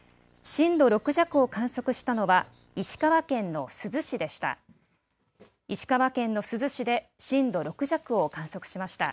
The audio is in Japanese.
震度６弱を観測したのは石川県の珠洲市でした。